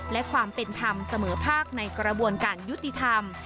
และความเป็นธรรมเสมอภาคในกระบวนการยุติธรรม